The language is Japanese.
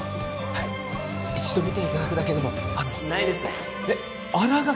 はい一度見ていただくだけでもあのないですねえっ新垣